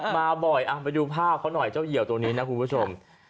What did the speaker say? มาบ่อยไปดูภาพเขาหน่อยเจ้าเหี่ยวตัวนี้นะคุณผู้ชม